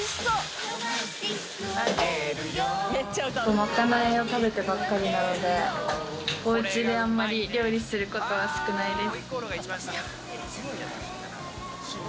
まかないを食べてばっかりなのでおうちであんまり料理することは少ないです。